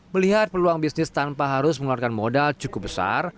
melihat peluang bisnis tanpa harus mengeluarkan modal cukup besar